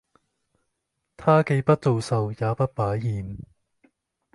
她既不做壽，也不擺宴